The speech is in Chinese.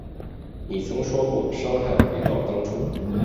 你曾说过害怕回到当初